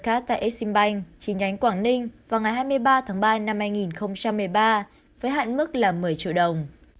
khác tại exim bank chi nhánh quảng ninh vào ngày hai mươi ba tháng ba năm hai nghìn một mươi ba với hạn mức là một mươi triệu đồng